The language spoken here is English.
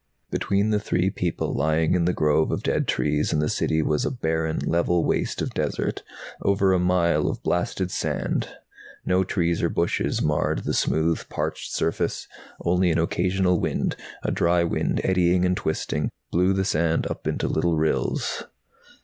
Between the three people lying in the grove of dead trees and the City was a barren, level waste of desert, over a mile of blasted sand. No trees or bushes marred the smooth, parched surface. Only an occasional wind, a dry wind eddying and twisting, blew the sand up into little rills.